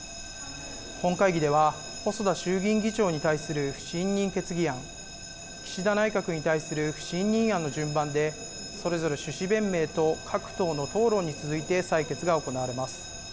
本会議では細田衆議院議長に対する不信任決議案、岸田内閣に対する不信任案の順番でそれぞれ趣旨弁明と各党の討論に続いて採決が行われます。